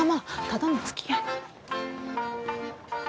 ただのつきあい。